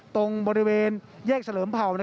ตรงบริเวณแยกเฉลิมเผ่า